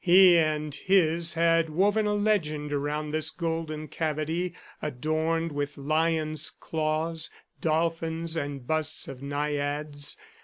He and his had woven a legend around this golden cavity adorned with lions' claws, dolphins and busts of naiads.